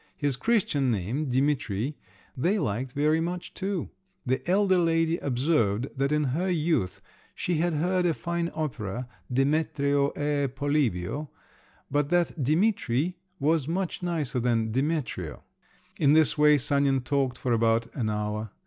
His Christian name—"Dimitri"—they liked very much too. The elder lady observed that in her youth she had heard a fine opera—"Demetrio e Polibio"—but that "Dimitri" was much nicer than "Demetrio." In this way Sanin talked for about an hour.